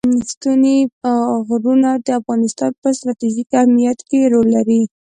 ستوني غرونه د افغانستان په ستراتیژیک اهمیت کې رول لري.